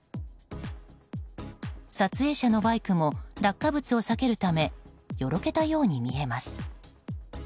撮影者のバイクも落下物を避けるためよろけたように見えます。